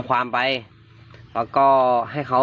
คุณผู้ชมไปดูอีกหนึ่งเรื่องนะคะครับ